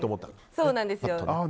そうなんですよ。